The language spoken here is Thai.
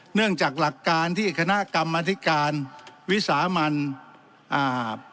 เนื่องจากหลักการที่คณะกรรมธิการวิสามันอ่า